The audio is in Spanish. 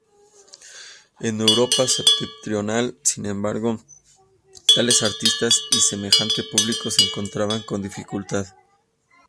En Europa Septentrional, sin embargo, tales artistas, y semejante público se encontraban con dificultad.